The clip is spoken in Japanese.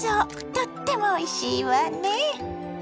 とってもおいしいわね。